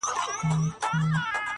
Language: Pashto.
د جنګ د سولي د سیالیو وطن-